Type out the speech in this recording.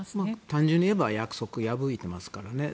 単純にいえば約束を破ってますからね。